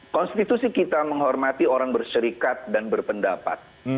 konstitusi kita menghormati orang berserikat dan berpendapat